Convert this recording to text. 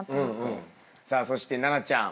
さあそして奈々ちゃん。